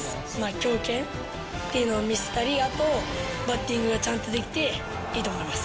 強肩っていうのを見せたり、あと、バッティングがちゃんとできていいと思います。